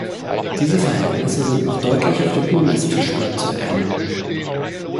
Diese Verhältnisse sind noch deutlich auf dem Urmesstischblatt zu erkennen.